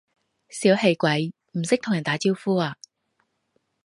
小氣鬼，唔識同人打招呼呀？